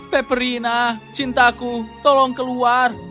peperina cintaku tolong keluar